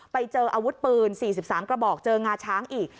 ไปเจออาวุธปืน๔๓กระบอกเจองาช้างอีก